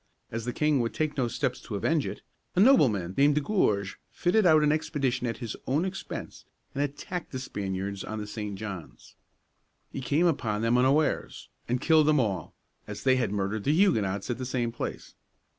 As the king would take no steps to avenge it, a nobleman named De Gourgues (goorg) fitted out an expedition at his own expense, and attacked the Spaniards on the St. Johns. He came upon them unawares, and killed them all, as they had murdered the Huguenots at the same place.